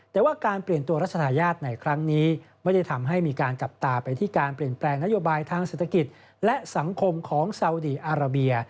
แต่ว่าการเปลี่ยนตัวรัชธาญาติในครั้งนี้ไม่ได้ทำให้มีการจับตาไปที่การเปลี่ยนแปลงนโยบายทางเศรษฐกิจและสังคมของซาวดีอาราเบีย